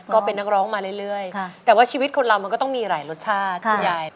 ก็เป็นนักร้องมาเรื่อยแต่ว่าชีวิตคนเรามันก็ต้องมีหลายรสชาติคุณยาย